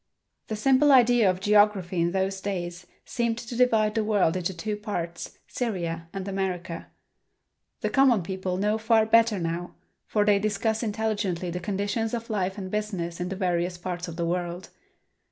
The simple idea of geography in those days seemed to divide the world into two parts, Syria and America. The common people know far better now, for they discuss intelligently the conditions of life and business in the various parts of the world.